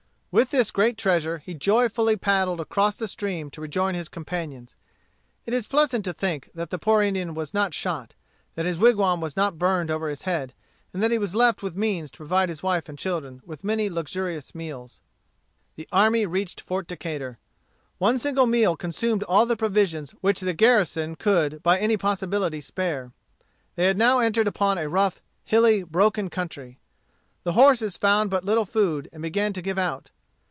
With this great treasure he joyfully paddled across the stream to rejoin his companions. It is pleasant to think that the poor Indian was not shot, that his wigwam was not burned over his head, and that he was left with means to provide his wife and children with many luxurious meals. The army reached Fort Decatur. One single meal consumed all the provisions which the garrison could by any possibility spare. They had now entered upon a rough, hilly, broken country. The horses found but little food, and began to give out.